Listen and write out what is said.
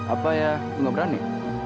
apa ya lo gak berani